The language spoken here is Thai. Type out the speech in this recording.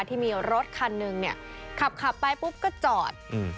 ที่มีรถคันหนึ่งเนี่ยขับขับไปปุ๊บก็จอดอืม